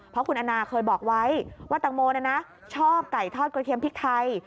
เพราะคุณอาณาเคยบอกไว้ว่าตังโมน่ะนะชอบไก่ทอดก๋วยเคียมพริกไทย